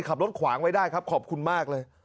ขับรถขวางไว้ได้ครับขอบคุณมากเลย